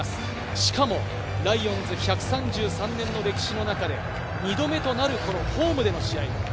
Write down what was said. しかもライオンズは１３３年の歴史の中で、２度目となるホームでの試合。